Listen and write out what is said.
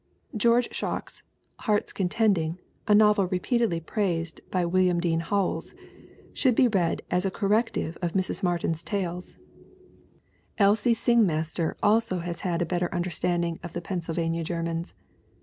George Schock's Hearts Contending, a novel repeatedly praised by William Dean Howells, "should be read as a cor rective of Mrs. Martin's tales." Elsie Singmaster also has had a better understanding of the Pennsylvania Germans.